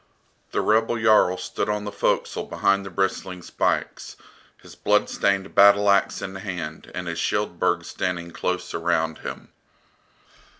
The rebel Jarl stood on the forecastle behind the bristling spikes, his blood stained battle axe in hand and his Shield burg standing close around him.